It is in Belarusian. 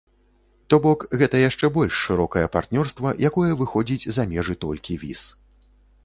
То бок гэта яшчэ больш шырокае партнёрства, якое выходзіць за межы толькі віз.